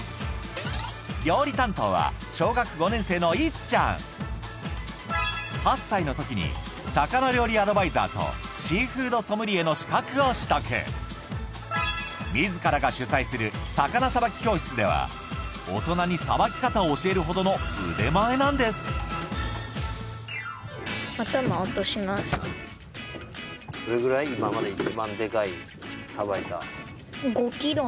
料理担当は小学５年生のいっちゃん８歳のときに魚料理アドバイザーとシーフードソムリエの資格を取得みずからが主催する魚捌き教室では大人に捌き方を教えるほどの腕前なんですこれぐらいじゃない？